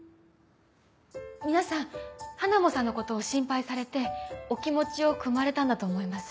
皆さんハナモさんのことを心配されてお気持ちをくまれたんだと思います。